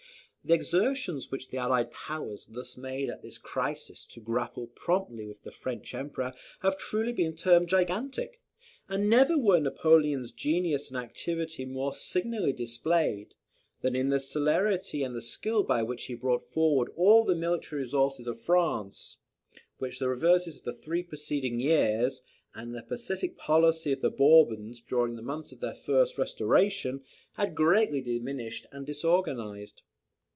The exertions which the Allied Powers thus made at this crisis to grapple promptly with the French emperor have truly been termed gigantic; and never were Napoleon's genius and activity more signally displayed, than in the celerity and skill by which he brought forward all the military resources of France, which the reverses of the three preceding years, and the pacific policy of the Bourbons during the months of their first restoration, had greatly diminished and disorganized.